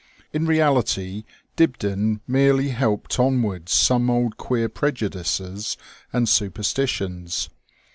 In reality, Dibdin merely helped onwards some old queer prejudices and super stitions.